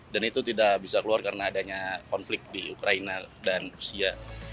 dan itu tidak bisa keluar karena adanya konflik di ukraina dan rusia